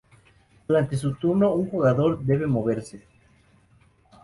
Durante su turno, un jugador debe moverse.